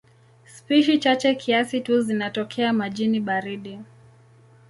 Spishi chache kiasi tu zinatokea majini baridi.